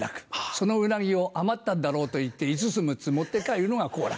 そのうなぎを「余ったんだろう」と言って５つ６つ持って帰るのが好楽。